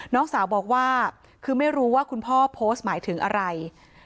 น้องสาวบอกว่าคือไม่รู้ว่าคุณพ่อโพสต์หมายถึงอะไร